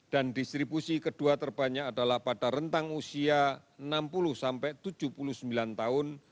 dan distribusi kedua terbanyak adalah pada rentang usia enam puluh tujuh puluh sembilan tahun